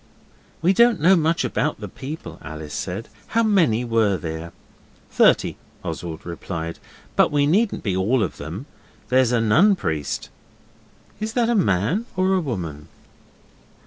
'We don't know much about the people,' Alice said. 'How many were there?' 'Thirty,' Oswald replied, 'but we needn't be all of them. There's a Nun Priest.' 'Is that a man or a woman?